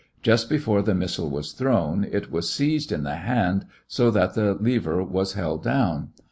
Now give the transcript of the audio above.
Just before the missile was thrown, it was seized in the hand so that the lever was held down.